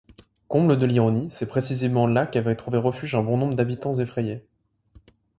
Comble de l'ironie, c'est précisément là qu'avaient trouvé refuge bon nombre d'habitants effrayés.